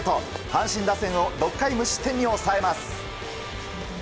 阪神打線を６回無失点に抑えます。